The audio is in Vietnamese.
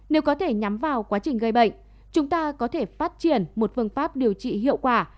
nếu có thể nhắm vào quá trình gây bệnh chúng ta có thể phát triển một phương pháp điều trị hiệu quả